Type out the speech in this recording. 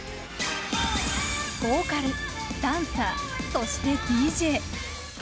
ボーカルダンサーそしてＤＪ。